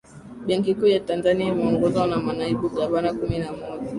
benki kuu ya tanzania imeongozwa na manaibu gavana kumi na moja